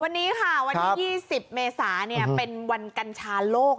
วันนี้ค่ะวันที่๒๐เมษาเป็นวันกัญชาโลก